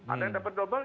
ada yang dapat double